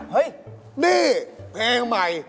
นี่เพลงใหม่